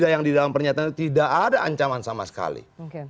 yang di dalam pernyataan itu tidak ada ancaman sama sekali